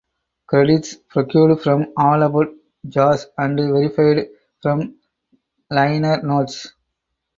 Credits procured from "All About Jazz" and verified from liner notes.